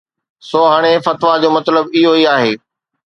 سو هاڻي فتويٰ جو مطلب اهو ئي آهي